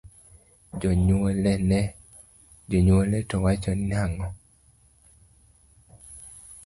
Jonyuolne to wachoni nang’o?